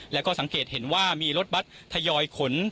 แล้วก็สังเกตเห็นว่ามีรถบัตรทยอยขน